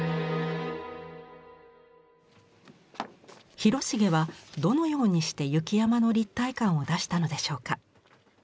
広重はどのようにして雪山の立体感を出したのでしょうか。